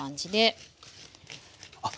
あっ